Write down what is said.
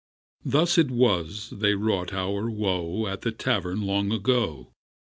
Thus it was they wrought our woe At the Tavern long ago.